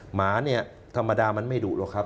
หมาเนี่ยธรรมดามันไม่ดุหรอกครับ